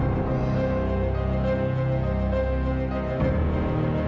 aduh aduh aduh gawat gawat gawat nih